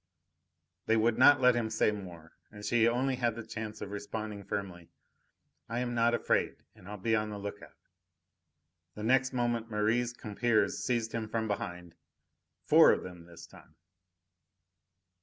They would not let him say more, and she only had the chance of responding firmly: "I am not afraid, and I'll be on the look out." The next moment Merri's compeers seized him from behind four of them this time.